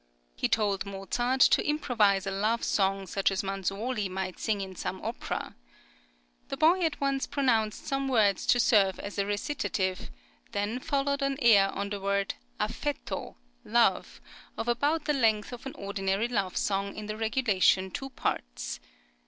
He told Mozart to improvise a love song such as Manzuoli might sing in some opera. The boy at once pronounced some words to serve as a recitative, then followed an air on the word affetto (love) of about the length of an ordinary love song in the regulation two parts.